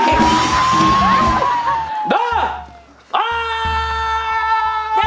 เดอร์